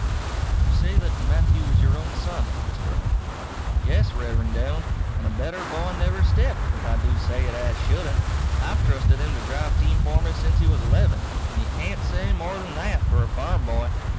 You say that Matthew is your own son, Mr. Emmett? Yes, Rev'rend Doane, and a better boy never stepped, if I do say it as shouldn't. I've trusted him to drive team for me since he was eleven, and you can't say more than that for a farm boy.